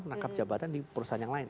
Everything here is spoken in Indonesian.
rangkap jabatan di perusahaan yang lain